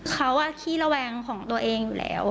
เขาขี้ระแวงของตัวเองอยู่แล้ว